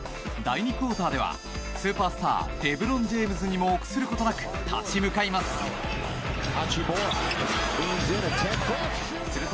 第２クオーターではスーパースターレブロン・ジェームズにも臆することなく立ち向かいます。